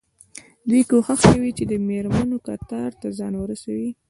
دوی کوښښ کوي چې د مېرمنو کتار ته ځان ورسوي.